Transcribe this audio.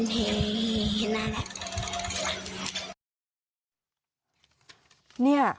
เห็นนั่น